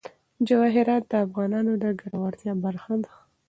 جواهرات د افغانانو د ګټورتیا برخه ده.